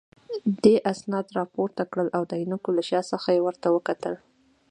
دې اسناد راپورته کړل او د عینکو له شا څخه یې ورته وکتل.